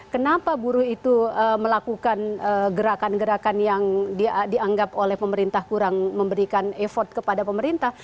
kenapa buruh itu melakukan gerakan gerakan yang dianggap oleh pemerintah kurang memberikan effort kepada pemerintah